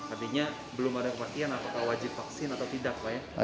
artinya belum ada kepercayaan apakah wajib vaksin atau tidak